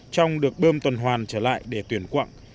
trong được bơm tuần hoàn trở lại để tuyển quặng